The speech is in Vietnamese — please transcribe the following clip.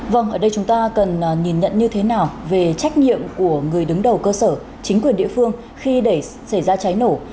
vâng ở đây chúng ta cần nhìn nhận như thế nào về trách nhiệm của người đứng đầu cơ sở chính quyền địa phương khi để xảy ra cháy nổ